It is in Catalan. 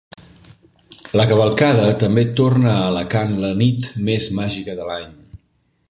La cavalcada també torna a Alacant la nit més màgica de l’any.